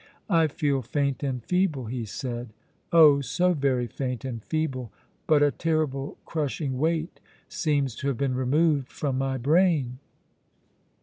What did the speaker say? "I feel faint and feeble," he said, "oh! so very faint and feeble, but a terrible, crushing weight seems to have been removed from my brain!"